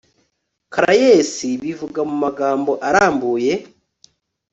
Caraes bivuga mu magambo arambuye